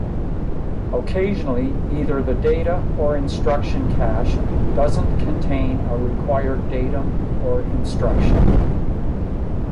Occasionally, either the data or instruction cache doesn't contain a required datum or instruction.